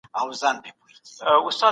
هغه د خپلو کالیو په مینځلو بوخت دی.